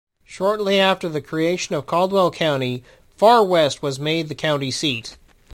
Shortly after the creation of Caldwell County, Far West was made the county seat.